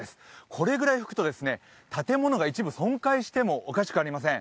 これぐらい吹くと建物が一部損壊してもおかしくありません。